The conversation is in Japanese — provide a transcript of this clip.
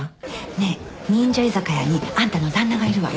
ねえ忍者居酒屋にあんたの旦那がいるわよ。